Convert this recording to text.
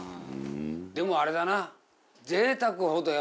でもあれだな。